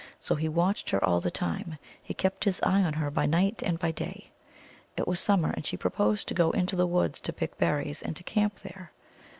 So he watched her all the time. He kept his eye on her by night and by day. It was summer, and she proposed to go into the woods to pick berries, and to camp there.